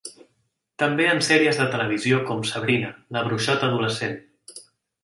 També en sèries de televisió com Sabrina, la bruixota adolescent.